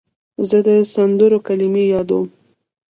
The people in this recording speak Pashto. زه د سندرو کلمې یادوم.